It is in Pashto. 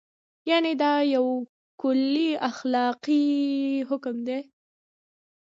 یعنې دا یو کلی اخلاقي حکم دی.